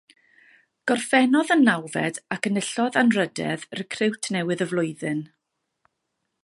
Gorffennodd yn nawfed ac enillodd anrhydedd Recriwt Newydd y Flwyddyn.